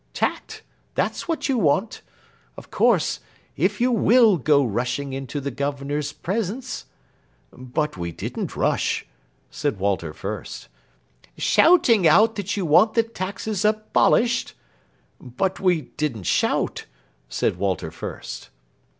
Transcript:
Tact; that's what you want. Of course, if you will go rushing into the Governor's presence " "But we didn't rush," said Walter Fürst. " Shouting out that you want the taxes abolished " "But we didn't shout," said Walter Fürst.